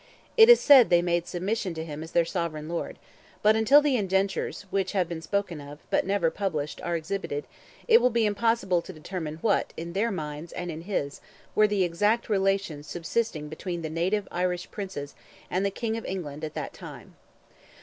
It is said they made "submission" to him as their sovereign lord, but until the Indentures, which have been spoken of, but never published, are exhibited, it will be impossible to determine what, in their minds and in his, were the exact relations subsisting between the native Irish princes and the King of England at that time.